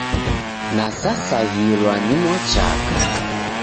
Nasasaghirwa ni mwachaka.